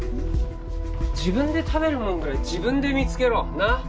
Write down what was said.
自分で食べるもんぐらい自分で見つけろなっ？